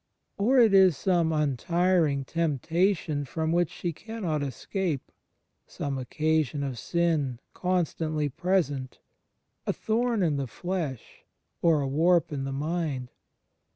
Or it is some untiring temp tation from which she cannot escape; some occasion of sin, constantly present, a thorn in the flesh, or a warp in the mind.